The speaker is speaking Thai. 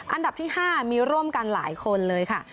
อันดับที่๕มีร่วมกันหลายคนเลยค่ะ